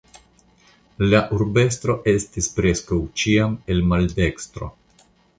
La urbestro estis preskaŭ ĉiam el maldekstro.